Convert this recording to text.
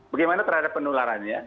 bagaimana terhadap penularannya